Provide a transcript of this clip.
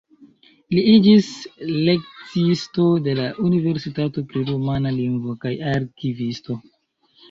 Li iĝis lekciisto de la universitato pri rumana lingvo kaj arkivisto.